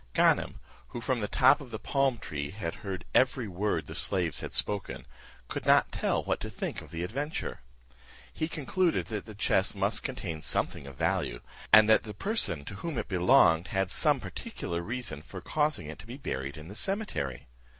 Ganem, who from the top of the palm tree had heard every word the slaves had spoken, could not tell what to think of the adventure. He concluded that the chest must contain something of value, and that the person to whom it belonged had some particular reasons for causing it to be buried in the cemetery.